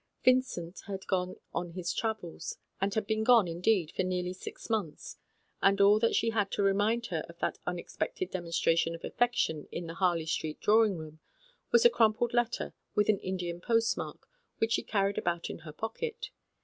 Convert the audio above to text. Vincent had gone on his travels — had been gone, indeed, for nearly six months, and all that she had to remind her of that unex pected demonstration in the Harley Street drawing room, was a crumpled letter with an Indian post mark which she carried about in her pocket.